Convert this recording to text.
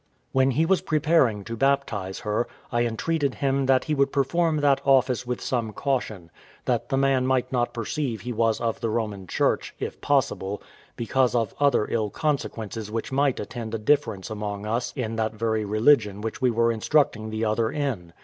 When he was preparing to baptize her, I entreated him that he would perform that office with some caution, that the man might not perceive he was of the Roman Church, if possible, because of other ill consequences which might attend a difference among us in that very religion which we were instructing the other in.